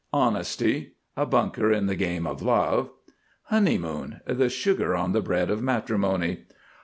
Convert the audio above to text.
HONESTY. A bunker in the game of Love. HONEYMOON. The sugar on the bread of matrimony.